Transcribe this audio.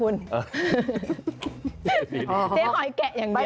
เจ๊หอยแกะอย่างเดียว